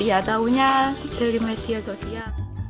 dari ya tahunya dari media sosial